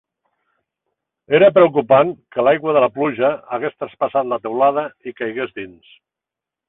Era preocupant que l'aigua de la pluja hagués traspassat la teulada i caigués dins.